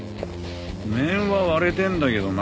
面は割れてんだけどな。